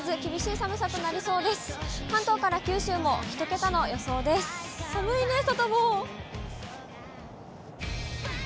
寒いね、サタボー。